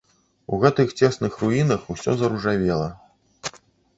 У гэтых цесных руінах усё заружавела.